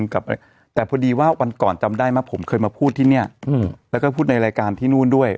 แต่พอดีว่าวันก่อนจำได้ไหมผมเคยมาพูดที่เนี่ยแล้วก็พูดในรายการที่นู่นด้วย